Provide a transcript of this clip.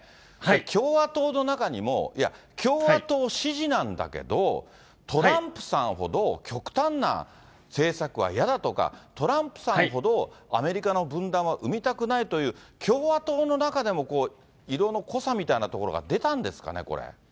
共和党の中にも、いや、共和党支持なんだけど、トランプさんほど極端な政策はやだとか、トランプさんほどアメリカの分断は生みたくないという共和党の中でも色の濃さみたいなところが出たんですかね、これ。